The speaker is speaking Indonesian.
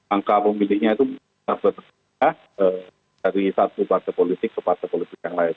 angka pemilihnya itu berbeda dari satu partai politik ke partai politik yang lain